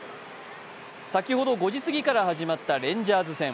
先ほど５時過ぎから始まったレンジャーズ戦。